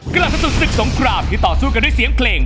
กลับไปสู่ศึกสงครามที่ต่อสู้กันด้วยเสียงเพลง